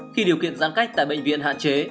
khi điều kiện giãn cách tại bệnh viện hạn chế